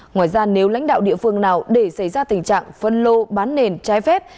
ngoài ra nếu lãnh đạo địa phương nào để xảy ra tình trạng phân lô bán nền trái phép